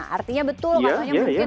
artinya betul maksudnya mungkin